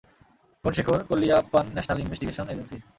গুণশেখর Kolliappan, national investigation agency.